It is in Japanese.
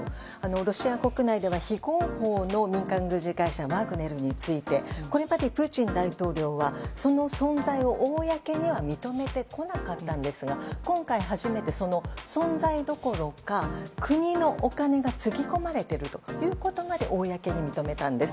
ロシア国内では非合法の民間軍事会社ワグネルについてこれまでプーチン大統領はその存在を公には認めてこなかったんですが今回、初めてその存在どころか国のお金がつぎ込まれているということまで公に認めたんです。